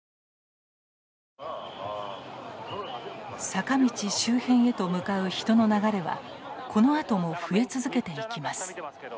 坂道周辺へと向かう人の流れはこのあとも増え続けていきます。